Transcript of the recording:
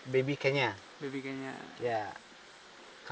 panen baby kenya